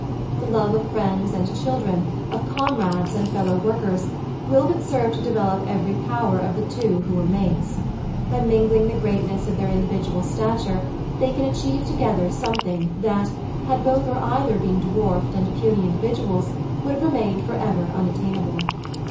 The love of friends and children, of comrades and fellow workers, will but serve to develop every power of the two who are mates. By mingling the greatness of their individual stature they can achieve together something that, had both or either been dwarfed and puny individuals, would have remained for ever unattainable.